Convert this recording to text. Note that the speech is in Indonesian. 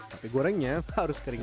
tapi gorengnya harus keringat